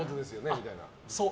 みたいな。